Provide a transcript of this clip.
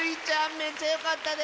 めっちゃよかったで！